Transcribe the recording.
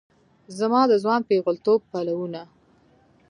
زما د ځوان پیغلتوب پلونه